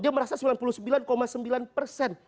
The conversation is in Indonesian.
dia merasa sembilan puluh sembilan sembilan persen